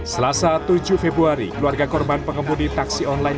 selasa tujuh februari keluarga korban pengemudi taksi online